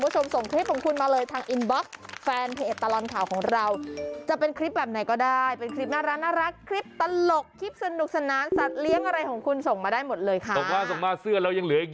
ชื่อน้องเป่าเป้ยเป่าเป้ยกินลูกเป่าเป้ย